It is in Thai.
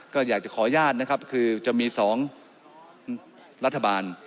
ก็อยากจะขออนุญาตนะครับคือจะมี๒รัฐบาล